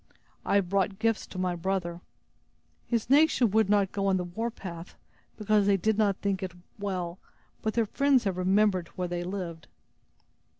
"I have brought gifts to my brother. His nation would not go on the warpath, because they did not think it well, but their friends have remembered where they lived."